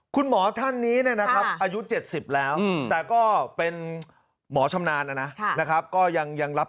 คุณหมอท่านนี้นะครับอายุ๗๐แล้วแต่ก็เป็นหมอชำนาญนะครับก็ยังรับ